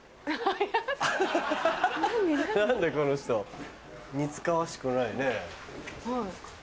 何だこの人似つかわしくないねぇ。